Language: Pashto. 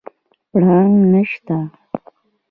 پړانګ نشته